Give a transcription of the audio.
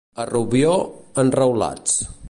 A Rubió, enreulats.